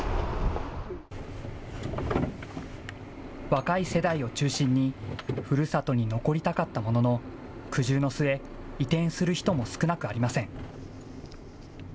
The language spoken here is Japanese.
若い世代を中心に、ふるさとに残りたかったものの、苦渋の末、移転する人も少なくありません。